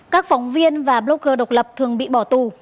các phóng viên và bloger độc lập thường bị bỏ tù